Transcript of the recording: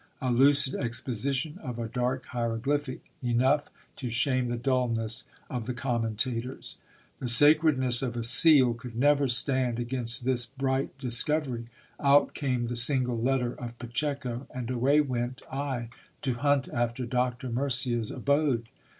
A lucid exposition of ISABELLA RECEIVES DON LEWIS'S LETTER. 139 a dark hieroglyphic, enough to shame the dulness of the commentators. The sacredness of a seal could never stand against this bright discover) . Out came the single letter of Pacheco, and away went I to hunt after Doctor Murcia's abode.